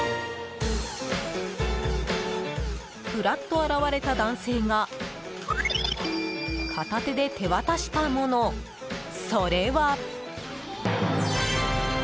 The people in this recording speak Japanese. ふらっと現れた男性が片手で手渡したもの、それは。